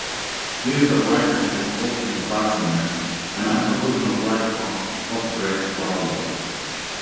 He is a right-handed opening batsman and an occasional right arm off-break bowler.